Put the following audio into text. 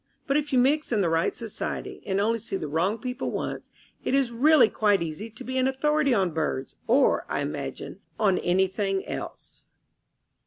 But if you mix in the right society, and only see the wrong people once, it is really quite easy to be an authority on birds or, I imagine, on anything else.